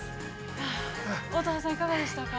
乙葉さん、いかがでしたか。